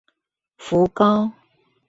福高